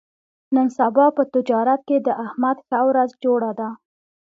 نن سبا په تجارت کې د احمد ښه ورځ جوړه ده.